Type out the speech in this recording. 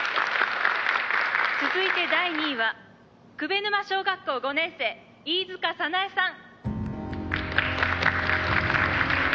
「続いて第２位は鵠沼小学校５年生飯塚早苗さん」